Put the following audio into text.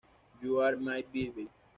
You're My Baby